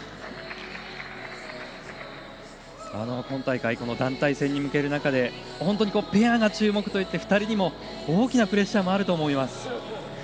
今大会、団体戦に向ける中で本当にペアが注目といって２人にも大きなプレッシャーもあると思います。